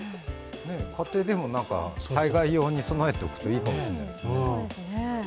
家庭でも災害用に備えておくといいかもしれないですね。